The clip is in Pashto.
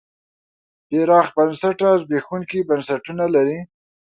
پراخ بنسټه زبېښونکي بنسټونه لري.